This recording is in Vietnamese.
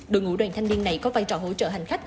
đội ngũ đoàn thanh niên này có vai trò hỗ trợ hành khách